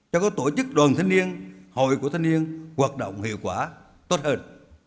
cho các tổ chức đoàn thanh niên hội của thanh niên hoạt động hiệu quả tốt hơn